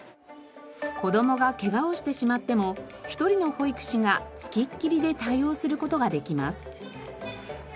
子どもがケガをしてしまっても１人の保育士がつきっきりで対応する事ができます。